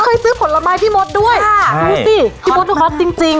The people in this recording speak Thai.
เคยซื้อผลไม้พี่มดด้วยใช่นี่สิพี่มดพอดจริงจริง